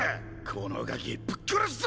このガキぶっ殺すぞ！